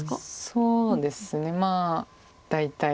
そうですねまあ大体。